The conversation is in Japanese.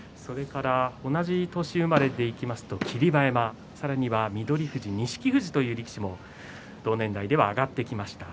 同じ年生まれで言いますと霧馬山さらには翠富士、錦富士という力士の同年代では上がってきました。